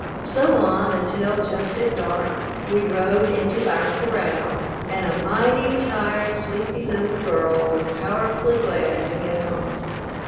So on, until, just at dark, we rode into our corral and a mighty tired, sleepy little girl was powerfully glad to get home.